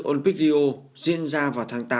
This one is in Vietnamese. olympic rio diễn ra vào tháng tám